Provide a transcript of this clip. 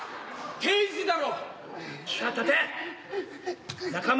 刑事だろ！